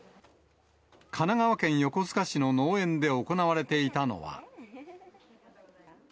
神奈川県横須賀市の農園で行われていたのは。